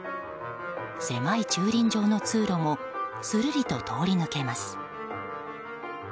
狭い駐輪場の通路もするりと通り抜けます。